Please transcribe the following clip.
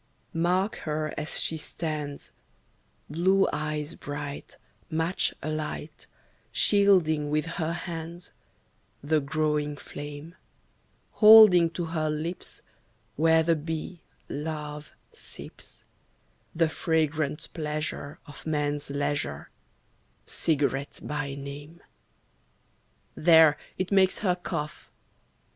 Mark her as she stands, Blue eyes bright, match alight, Shielding with her hands The growing flame, Holding to her lips, where the bee, love, sips, The fragrant pleasure of man's leisure, Cigarette by name. There! it makes her cough.